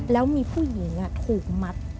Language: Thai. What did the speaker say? แล้วมีผู้หญิงถูกมัด